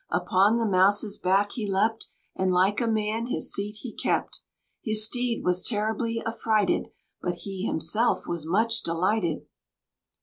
Upon the mouse's back he leapt, And like a man his seat he kept. His steed was terribly affrighted, But he himself was much delighted.